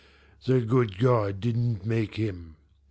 The good God didn't make him.